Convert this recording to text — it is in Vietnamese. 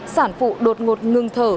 sản phụ đột ngột ngừng thở